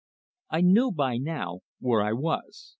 I knew by now where I was.